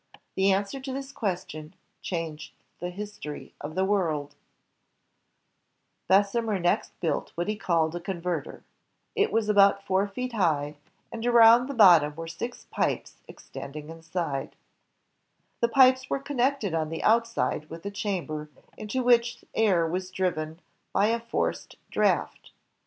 The answer to this question changed the history of the world Bessemer next built what he called a converter It was about four feet hi^, and around the bottom were six BESSEMER CON VEETER pipes extending mside The pipes were connected on the outside with a chamber mto which air was dnven by a forced draft.